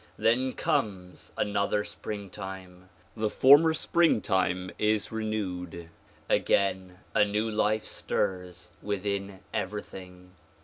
Then comes another springtime; the former springtime is renewed; again a new life stirs within everything.